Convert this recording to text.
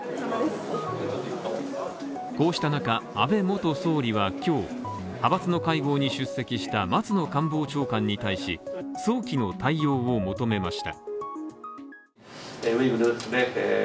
こうした中、安倍元総理は今日、派閥の会合に出席した松野官房長官に対し、早期の対応を求めました。